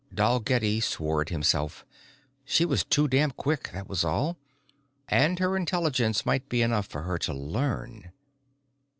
Dalgetty swore at himself. She was too damn quick, that was all. And her intelligence might be enough for her to learn....